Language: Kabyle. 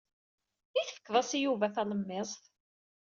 I tefkeḍ-as i Yuba talemmiẓt?